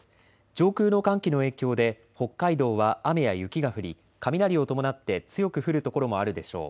上空の寒気の影響で北海道は雨や雪が降り雷を伴って強く降る所もあるでしょう。